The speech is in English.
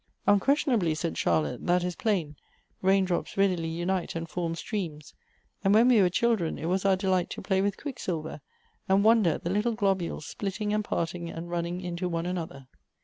" Unquestionably," said Charlotte, " that is plain ; rain drops readily unite and form streams; and when we were children, it was our delight to play with quicksilver, and wonder at the little globules splitting and parting and running into one other."